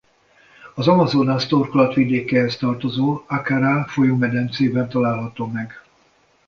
Az Amazonas torkolatvidékéhez tartozó Acará-folyómedencében található meg.